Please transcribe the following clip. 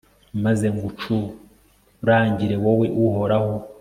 maze ngucurangire, wowe uhoraho